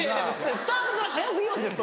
スタートから早過ぎますよ